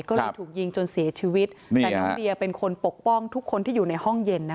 ก็เลยถูกยิงจนเสียชีวิตแต่น้องเดียเป็นคนปกป้องทุกคนที่อยู่ในห้องเย็นนะคะ